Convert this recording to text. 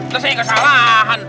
terus saya kesalahan